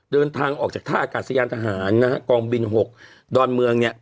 เดินทางออกจากท่าอากาศยานทหารนะฮะกองบิน๖ดอนเมืองเนี่ย